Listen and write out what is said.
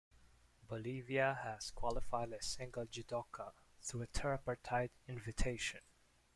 Bolivia has qualified a single judoka through a tripartite invitation.